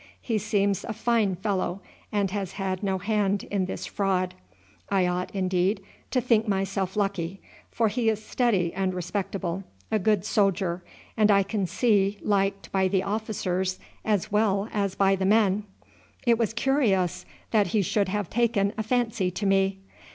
He seems a fine fellow, and has had no hand in this fraud. I ought, indeed, to think myself lucky; for he is steady and respectable, a good soldier, and I can see liked by the officers as well as the men. It was curious that he should have taken a fancy to me.